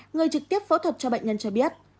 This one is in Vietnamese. người trực tiếp phẫu thuật cho bệnh nhân cho biết